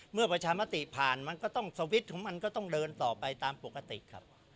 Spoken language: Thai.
เมื่อประชามติผ่านสวิตช์ของมันก็ต้องเดินต่อไปตามปกติครับ